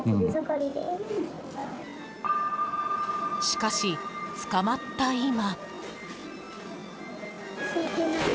しかし、捕まった今。